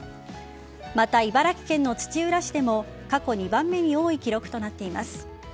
また、茨城県の土浦市でも過去２番目に多い記録となっています。